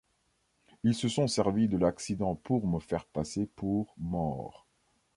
Ils se sont servis de l’accident pour me faire passer pour mort.